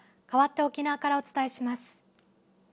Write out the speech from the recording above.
かわって沖縄からお伝えします。